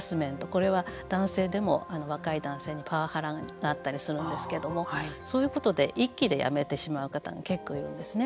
これは男性でも、若い男性にパワハラがあったりするんですけれどもそういうことで１期でやめてしまう方が結構いるんですね。